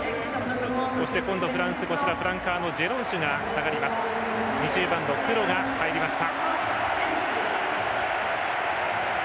そして、フランカーのジェロンシュが下がり２０番のプノが入りました。